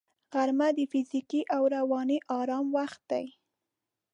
غرمه د فزیکي او رواني آرام وخت دی